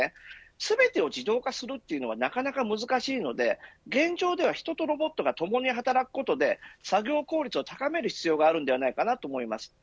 全てを自動化するのはなかなか難しいので現状では、人とロボットが共に働くことで作業効率を高める必要があると思います。